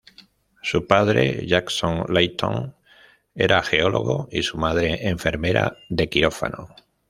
Su padre, Jackson Langton era geólogo y su madre enfermera de quirófano.